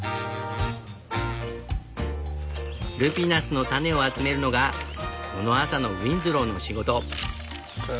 ルピナスの種を集めるのがこの朝のウィンズローの仕事。